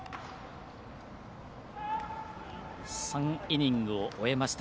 ３イニングを終えました。